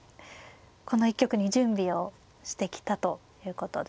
この一局に準備をしてきたということでしょうか。